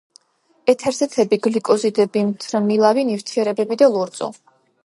ეთერზეთები, გლიკოზიდები, მთრიმლავი ნივთიერებები და ლორწო.